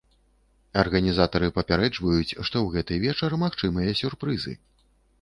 Арганізатары папярэджваюць, што ў гэты вечар магчымыя сюрпрызы.